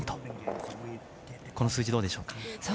この数字はどうでしょうか。